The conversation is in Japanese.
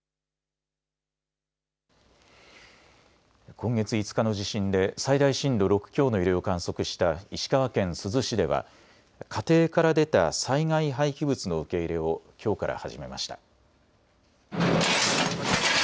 今月５日の地震で最大震度６強の揺れを観測した石川県珠洲市では家庭から出た災害廃棄物の受け入れをきょうから始めました。